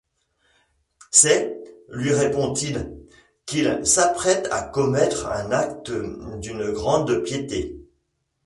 C’est, lui répond-il, qu’il s’apprête à commettre un acte d’une grande piété.